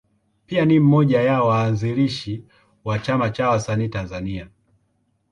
Pia ni mmoja ya waanzilishi wa Chama cha Wasanii Tanzania.